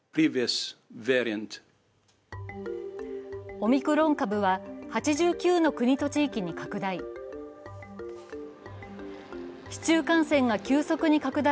オミクロン株は８９の国と地域に拡大。